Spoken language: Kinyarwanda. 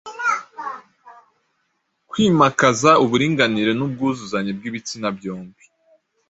kwimakaza uburinganire n’ubwuzuzanye bw’ibitsina byombi.